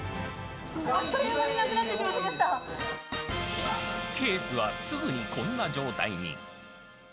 あっという間になくなってしケースはすぐにこんな状態に。